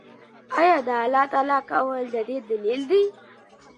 آيا د الله تعالی قول د دې دليل دی؟